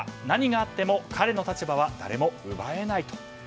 何があっても彼の立場は誰も奪えないと。